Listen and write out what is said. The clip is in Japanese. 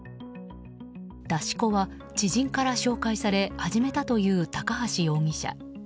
出し子は、知人から紹介され始めたという高橋容疑者。